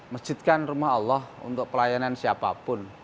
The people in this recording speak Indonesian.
masjid kan rumah allah untuk pelayanan siapapun